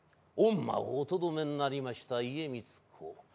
御馬をおとどめになりました家光公。